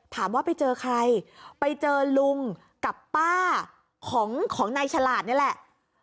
ถามว่าไปเจอใครไปเจอลุงกับป้าของของนายฉลาดนี่แหละ